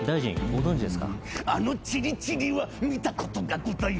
あのちりちりは見たことがございますね。